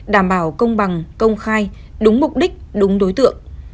đảm bảo công bằng công khai đúng mục đích đúng đối tượng